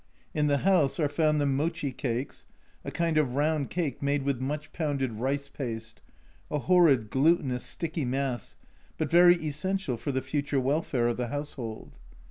In the house are found the mochi cakes, a kind of round cake made with much pounded rice paste, a horrid glutinous sticky mass, but very essential for the future welfare of the household